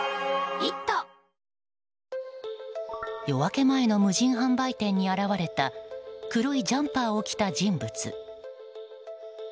夜明け前の無人販売店に現れた黒いジャンパーを着た人物。